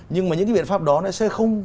nhưng mà những cái biện pháp đó nó sẽ không